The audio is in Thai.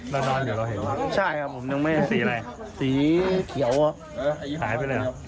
แล้วนอนเดี๋ยวเราเห็นว่าใช่ครับผมน้องแม่สีอะไรสีเขียวอ่ะหายไปเลยอ่ะ